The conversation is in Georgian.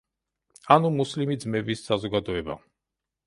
ანუ მუსლიმი ძმების საზოგადოება.